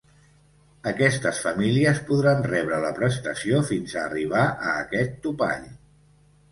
Aquestes famílies podran rebre la prestació fins a arribar a aquest topall.